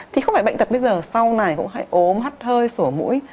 thì không phải bệnh tật bây giờ sau này cũng hay ốm hắt hơi sổ mũi